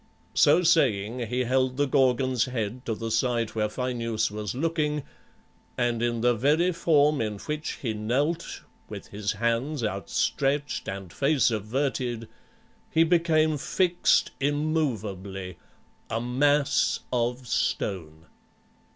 So saying, he held the Gorgon's head to the side where Phineus was looking, and in the very form in which he knelt, with his hands outstretched and face averted, he became fixed immovably, a mass of stone!